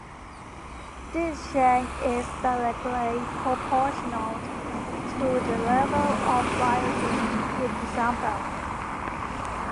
This change is directly proportional to the level of biotin in the sample.